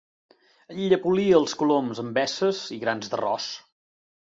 Enllepolia els coloms amb veces i grans d'arròs.